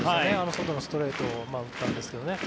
外のストレートを打ったんですけどね。